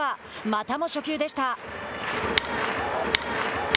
またも初球でした。